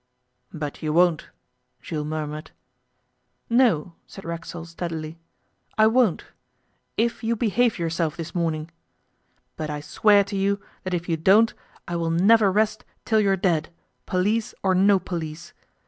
'But you won't,' Jules murmured. 'No,' said Racksole steadily, 'I won't if you behave yourself this morning. But I swear to you that if you don't I will never rest till you are dead, police or no police.